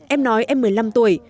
em nói em một mươi năm tuổi